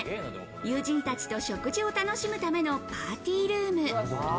友人たちと食事を楽しむためのパーティールーム。